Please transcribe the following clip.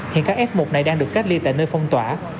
hiện các f một này đang được cách ly tại nơi phong tỏa